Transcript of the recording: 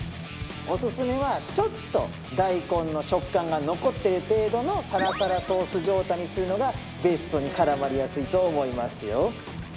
オススメはちょっと大根の食感が残っている程度のサラサラソース状態にするのがベストに絡まりやすいと思いますよ。